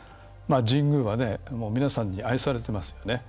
神宮は皆さんに愛されてますよね。